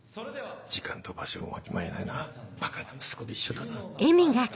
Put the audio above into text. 時間と場所をわきまえないのはばかな息子と一緒だな。